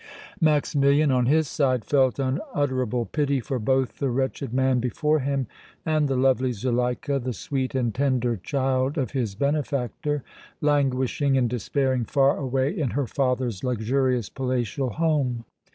Maximilian, on his side, felt unutterable pity for both the wretched man before him and the lovely Zuleika, the sweet and tender child of his benefactor, languishing and despairing far away in her father's luxurious, palatial home.